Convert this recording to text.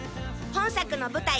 本作の舞台